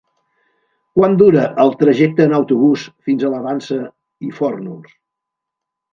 Quant dura el trajecte en autobús fins a la Vansa i Fórnols?